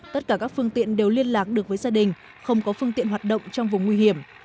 tất cả các phương tiện đều liên lạc được với gia đình không có phương tiện hoạt động trong vùng nguy hiểm